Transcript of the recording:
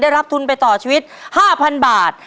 รับทุนไปต่อชีวิต๕๐๐๐บาท